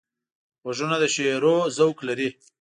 غوږونه د شعرونو ذوق لري